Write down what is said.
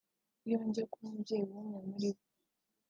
iyo njya kuba umubyeyi w’umwe muri bo